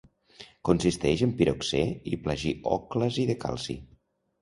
Consisteix en piroxè i plagiòclasi de calci.